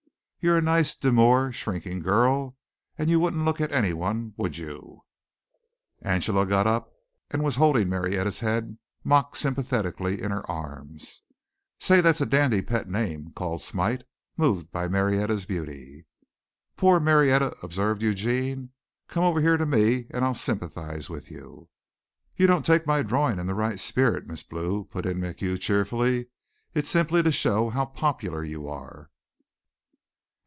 You're a nice, demure, shrinking girl and you wouldn't look at anyone, would you?" Angela got up and was holding Marietta's head mock sympathetically in her arms. "Say, that's a dandy pet name," called Smite, moved by Marietta's beauty. "Poor Marietta," observed Eugene. "Come over here to me and I'll sympathize with you." "You don't take my drawing in the right spirit, Miss Blue," put in MacHugh cheerfully. "It's simply to show how popular you are."